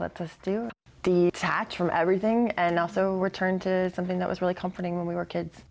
dekat dari segalanya dan juga kembali ke sesuatu yang sangat menyenangkan ketika kita masih anak